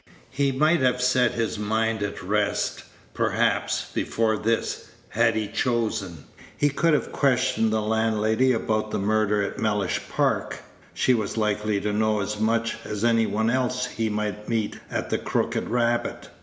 He might have set his mind at rest, perhaps, before this, had he chosen. He could have questioned the landlady about the murder at Mellish Park; she was likely to know as much as any one else he might meet at the "Crooked Rabbit."